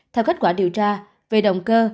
theo kết quả điều tra về động cơ